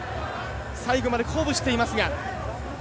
最後まで鼓舞していますが。